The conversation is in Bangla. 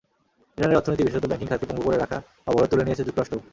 ইরানের অর্থনীতি, বিশেষত ব্যাংকিং খাতকে পঙ্গু করে রাখা অবরোধ তুলে নিয়েছে যুক্তরাষ্ট্রও।